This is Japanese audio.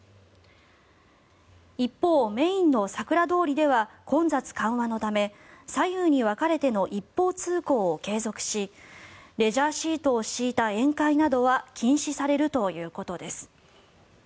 一方、メインのさくら通りでは混雑緩和のため左右に分かれての一方通行を継続しレジャーシートを敷いた宴会などは禁止されるということです。